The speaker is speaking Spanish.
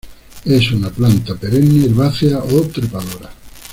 Es una planta perenne, herbácea o trepadora.